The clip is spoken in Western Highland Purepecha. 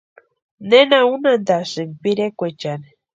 ¿Nena unhantasïnki pirekwaechani?